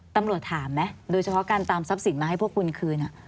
ตำรวจถามไหมโดยเฉพาะการตามทรัพย์สินมาให้พวกคุณคืน